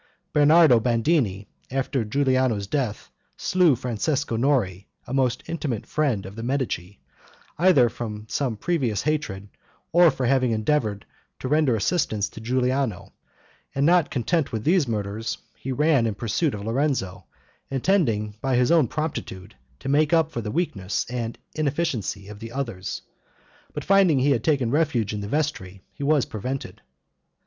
Bernardo Bandini, after Giuliano's death, also slew Francesco Nori, a most intimate friend of the Medici, either from some previous hatred or for having endeavored to render assistance to Giuliano; and not content with these murders, he ran in pursuit of Lorenzo, intending, by his own promptitude, to make up for the weakness and inefficiency of the others; but finding he had taken refuge in the vestry, he was prevented.